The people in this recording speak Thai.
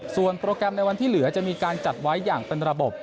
ส่วนโปรแกรมในวันที่เหลือจะมีการจัดไว้อย่างเป็นระบบ